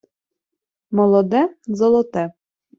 Молоде — золоте.